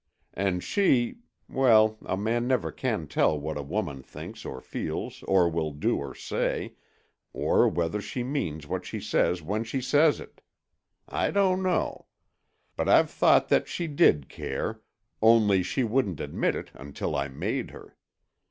And she—well, a man never can tell what a woman thinks or feels or will do or say, or whether she means what she says when she says it. I don't know. But I've thought that she did care—only she wouldn't admit it until I made her.